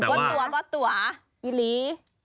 ก็ตัวอิหลี